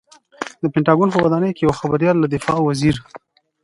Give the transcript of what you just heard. د پنټاګون په ودانۍ کې یوه خبریال له دفاع وزیر